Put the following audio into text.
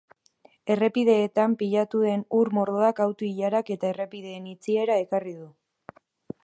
Errepideetan pilatu den ur mordoak auto-ilarak eta errepideen itxiera ekarri du.